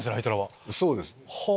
そうです。